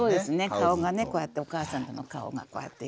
顔がねこうやってお母さんの顔がこうやって。